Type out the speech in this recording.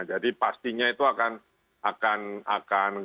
jadi pastinya itu akan